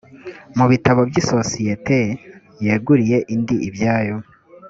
mu bitabo by isosiyete yeguriye indi ibyayo